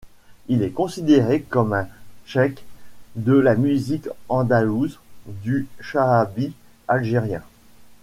Il est considéré comme un cheikh de la musique andalouse du Chaâbi algérien.